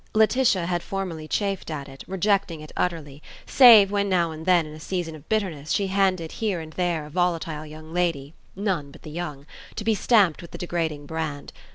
Laetitia had formerly chafed at it, rejecting it utterly, save when now and then in a season of bitterness she handed here and there a volatile young lady (none but the young) to be stamped with the degrading brand.